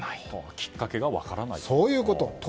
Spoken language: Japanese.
きっかけが分からないと。